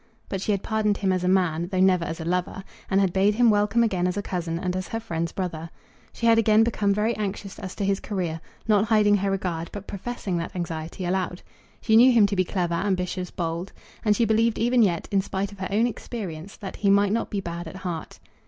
But she had pardoned him as a man, though never as a lover, and had bade him welcome again as a cousin and as her friend's brother. She had again become very anxious as to his career, not hiding her regard, but professing that anxiety aloud. She knew him to be clever, ambitious, bold, and she believed even yet, in spite of her own experience, that he might not be bad at heart.